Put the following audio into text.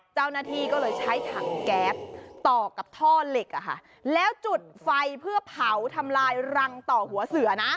เจ้าหน้าที่ก็เลยใช้ถังแก๊สต่อกับท่อเหล็กแล้วจุดไฟเพื่อเผาทำลายรังต่อหัวเสือนะ